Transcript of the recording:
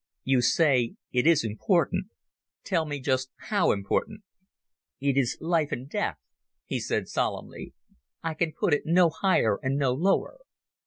You say it is important. Tell me just how important." "It is life and death," he said solemnly. "I can put it no higher and no lower.